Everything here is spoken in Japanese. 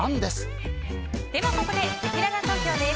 ここで、せきらら投票です。